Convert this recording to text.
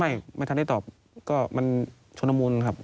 ไม่ทันได้ตอบก็มันชนละมุนครับ